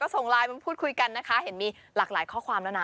ส่งไลน์มาพูดคุยกันนะคะเห็นมีหลากหลายข้อความแล้วนะ